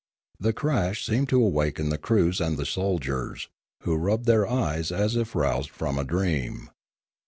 The crash seemed to awaken the crews and the soldiers, who rubbed their eyes as if roused from a dream.